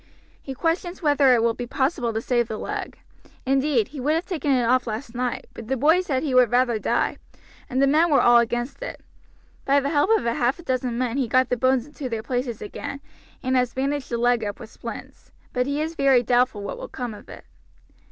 He questions whether it will be possible to save the leg; indeed, he would have taken it off last night, but the boy said he would rather die, and the men were all against it. By the help of half a dozen men he got the bones into their places again, and has bandaged the leg up with splints; but he is very doubtful what will come of it."